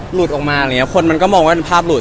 หลุดออกมาคนมันก็มองว่าเป็นภาพหลุด